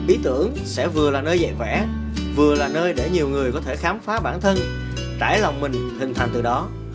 ý tưởng sẽ vừa là nơi dạy vẽ vừa là nơi để nhiều người có thể khám phá bản thân trải lòng mình hình thành từ đó